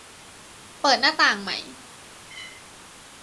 เปิดในหน้าต่างใหม่